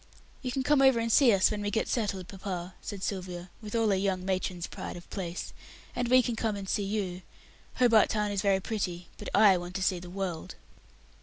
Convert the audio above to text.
"You can come over and see us when we get settled, papa," said Sylvia, with a young matron's pride of place, "and we can come and see you. Hobart Town is very pretty, but I want to see the world."